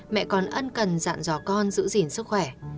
mẹ còn ân cần dặn dò con giữ gìn sức khỏe